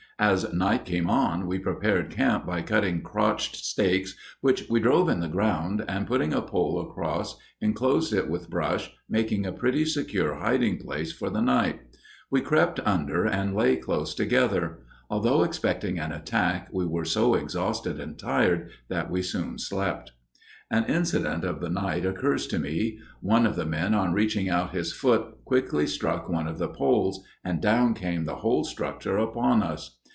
As night came on we prepared camp by cutting crotched stakes which we drove in the ground and putting a pole across enclosed it with brush, making a pretty secure hiding place for the night; we crept under and lay close together. Although expecting an attack we were so exhausted and tired that we soon slept. An incident of the night occurs to me: One of the men on reaching out his foot quickly, struck one of the poles, and down came the whole structure upon us.